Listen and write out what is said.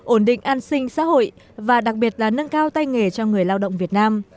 ổn định an sinh xã hội và đặc biệt là nâng cao tay nghề cho người lao động việt nam